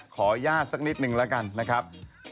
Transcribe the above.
ขออนุญาตสักนิดนึงแล้วกันนะครับ